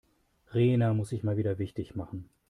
Rena muss sich mal wieder wichtig machen.